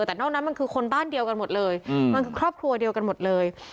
แต่นอกนั้นมันคือคนบ้านเดียวกันหมดเลยมันคือครอบครัวเดียวกันหมดเลย